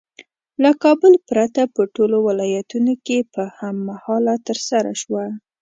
له کابل پرته په ټولو ولایتونو کې په هم مهاله ترسره شوه.